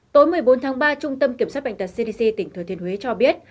tối một mươi bốn tháng ba trung tâm kiểm soát bệnh tật cdc tỉnh thừa thiên huế cho biết